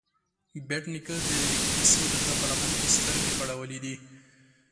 بېټ نيکه د کسې د غره په لمن کې سترګې غړولې دي